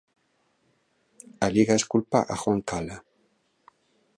A Liga exculpa a Juan Cala.